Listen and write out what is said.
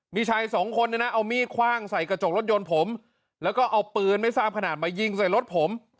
มีชายสองคนเนี่ยนะเอามีดคว่างใส่กระจกรถยนต์ผมแล้วก็เอาปืนไม่ทราบขนาดมายิงใส่รถผม